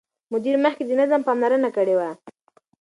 مدیر مخکې د نظم پاملرنه کړې وه.